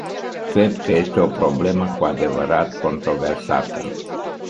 Cred că este o problemă cu adevărat controversat.